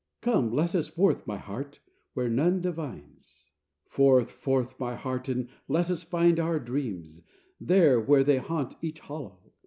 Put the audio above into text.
Come, let us forth, my heart, where none divines! Forth, forth, my heart, and let us find our dreams, There, where they haunt each hollow!